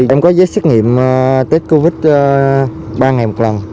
em có giấy xét nghiệm tết covid ba ngày một lần